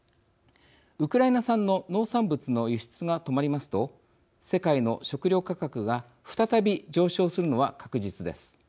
ウクライナ産の農産物の輸出が止まりますと世界の食料価格が再び上昇するのは確実です。